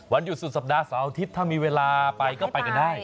หยุสุดสัปดาห์เสาร์อาทิตย์ถ้ามีเวลาไปก็ไปกันได้